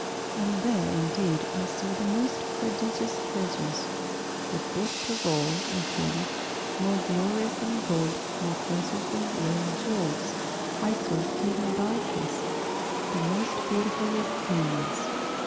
And there, indeed, I saw the most prodigious treasures; but best of all, O King, more glorious than gold, more precious than rare jewels, I saw Queen Balkis, the most beautiful of queens."